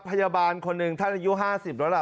พยาบาลคนหนึ่งท่านอายุ๕๐แล้วล่ะ